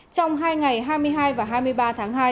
trong hai ngày hai mươi hai và hai mươi ba tháng hai